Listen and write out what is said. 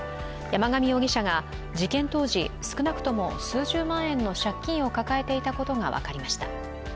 山上容疑者が事件当時、少なくとも数十万円の借金を抱えていたことが分かりました。